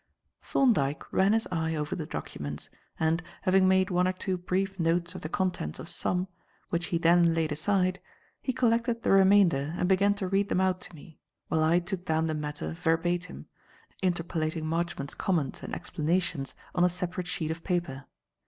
Thorndyke ran his eye over the documents, and, having made one or two brief notes of the contents of some, which he then laid aside, collected the remainder and began to read them out to me, while I took down the matter verbatim, interpolating Marchmont's comments and explanations on a separate sheet of paper.